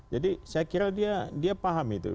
jadi saya kira dia paham itu